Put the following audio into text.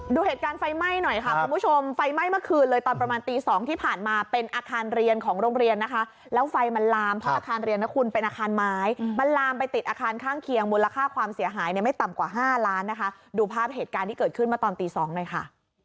ดูเหตุการณ์ไฟไหม้หน่อยค่ะคุณผู้ชมไฟไหม้เมื่อคืนเลยตอนประมาณตีสองที่ผ่านมาเป็นอาคารเรียนของโรงเรียนนะคะแล้วไฟมันลามเพราะอาคารเรียนนะคุณเป็นอาคารไม้มันลามไปติดอาคารข้างเคียงมูลค่าความเสียหายเนี่ยไม่ต่ำกว่า๕ล้านนะคะดูภาพเหตุการณ์ที่เกิดขึ้นมาตอนตีสองหน่อยค่ะ